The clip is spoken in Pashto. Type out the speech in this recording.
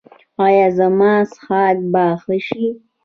ایا زما څښاک به ښه شي؟